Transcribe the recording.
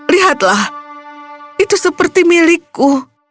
lihatlah itu seperti milikku